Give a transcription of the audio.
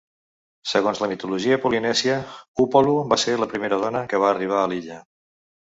Segons la mitologia polinèsia, Upolu va ser la primera dona que va arribar a l'illa.